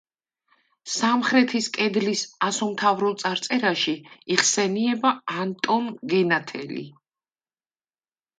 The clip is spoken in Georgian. სამხრეთის კედლის ასომთავრულ წარწერაში იხსენიება ანტონ გენათელი.